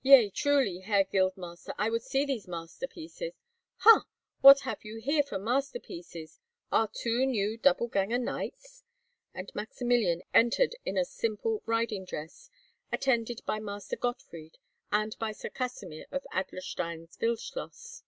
"Yea, truly, Herr Guildmaster, I would see these masterpieces. Ha! What have you here for masterpieces? Our two new double ganger knights?" And Maximilian entered in a simple riding dress, attended by Master Gottfried, and by Sir Kasimir of Adlerstein Wildschloss.